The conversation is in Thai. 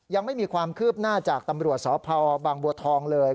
ยังไม่มีความคืบหน้าจากตำรวจสพบางบัวทองเลย